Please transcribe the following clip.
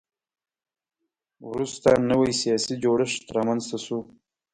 وروسته نوی سیاسي جوړښت رامنځته شو.